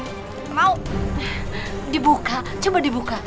perhatikan sama gue ya